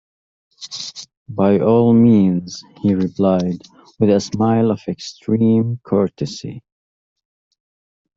"By all means," he replied, with a smile of extreme courtesy.